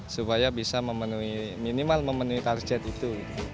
supaya bisa memenuhi minimal memenuhi target itu